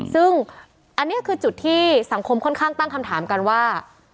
ซึ่งอันนี้คือจุดที่สังคมค่อนข้างตั้งคำถามกันว่า